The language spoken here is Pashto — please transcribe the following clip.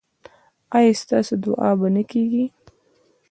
ایا ستاسو دعا به نه کیږي؟